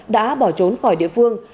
đã bỏ trốn khỏi địa phương